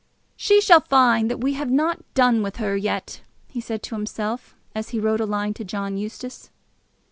"She shall find that we have not done with her yet," he said to himself, as he wrote a line to John Eustace.